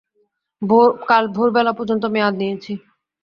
কাল ভোরবেলা পর্যন্ত মেয়াদ নিয়েছি।